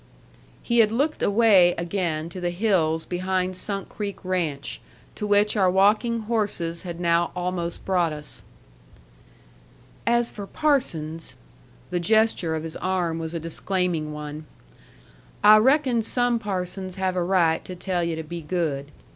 He had looked away again to the hills behind Sunk Creek ranch, to which our walking horses had now almost brought us. "As for parsons " the gesture of his arm was a disclaiming one "I reckon some parsons have a right to tell yu' to be good.